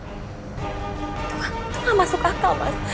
itu tidak masuk akal mas